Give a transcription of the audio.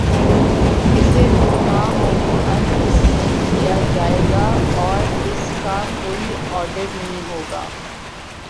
اسے حکما من و عن تسلیم کیا جائے گا اور اس کا کوئی آڈٹ نہیں ہو گا۔